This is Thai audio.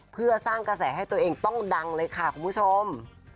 เพื่อสร้างกระแสให้ตัวเองต้องดังเลยค่ะคุณผู้ชม